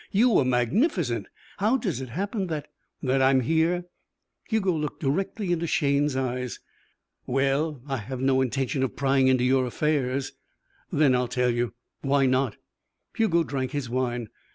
You were magnificent. How does it happen that " "That I'm here?" Hugo looked directly into Shayne's eyes. "Well I have no intention of prying into your affairs." "Then I'll tell you. Why not?" Hugo drank his wine.